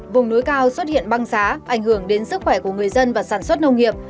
vùng núi cao xuất hiện băng giá ảnh hưởng đến sức khỏe của người dân và sản xuất nông nghiệp